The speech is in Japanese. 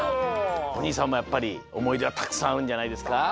おにいさんもやっぱりおもいではたくさんあるんじゃないですか？